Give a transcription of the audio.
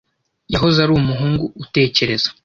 Yahoze ari umuhungu utekereza.